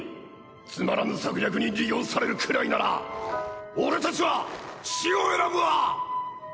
つまらぬ策略に利用されるくらいなら俺たちは死を選ぶわ！